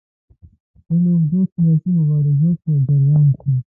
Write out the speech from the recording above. د خپلو اوږدو سیاسي مبارزو په جریان کې.